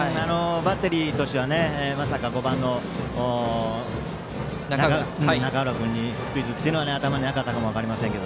バッテリーとしてはまさか５番の中浦君にスクイズというのは頭になかったかも分かりませんが。